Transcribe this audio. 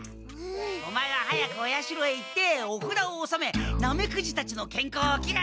オマエは早くお社へ行っておふだをおさめナメクジたちのけんこうをきがんしてこい。